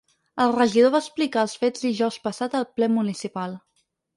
El regidor va explicar els fets dijous passat al ple municipal.